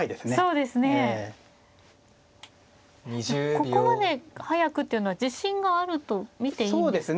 ここまで速くというのは自信があると見ていいんですか。